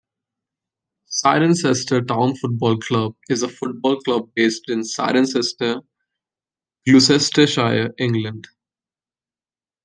Cirencester Town Football Club is a football club based in Cirencester, Gloucestershire, England.